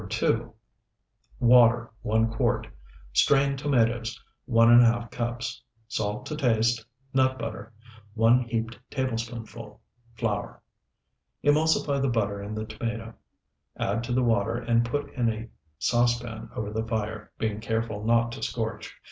2 Water, 1 quart. Strained tomatoes, 1½ cups. Salt to taste. Nut butter, 1 heaped tablespoonful. Flour. Emulsify the butter in the tomato, add to the water, and put in a saucepan over the fire, being careful not to scorch.